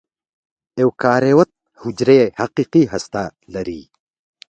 ایوکاریوت حجرې حقیقي هسته لري.